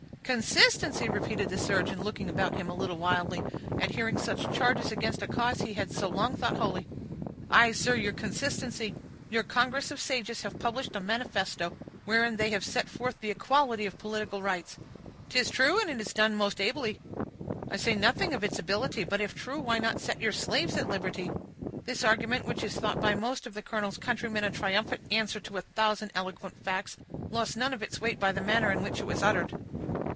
"Consistency!" repeated the surgeon, looking about him a little wildly, at hearing such sweeping charges against a cause he had so long thought holy. "Aye, sir, your consistency. Your congress of sages have published a manifesto, wherein they set forth the equality of political rights." "'Tis true, and it is done most ably." "I say nothing of its ability; but if true, why not set your slaves at liberty?" This argument, which is thought by most of the colonel's countrymen a triumphant answer to a thousand eloquent facts, lost none of its weight by the manner in which it was uttered.